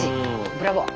ブラボー。